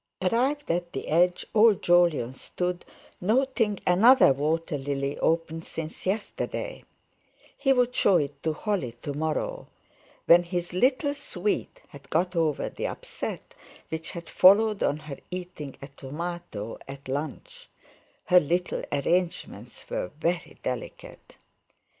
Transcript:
Arrived at the edge, old Jolyon stood, noting another water lily opened since yesterday; he would show it to Holly to morrow, when "his little sweet" had got over the upset which had followed on her eating a tomato at lunch—her little arrangements were very delicate.